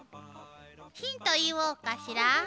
ヒント言おうかしら？